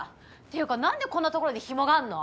ていうか何でこんなところに紐があんの！？